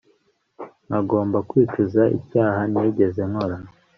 nkagomba kwicuza icyaha ntigeze nkora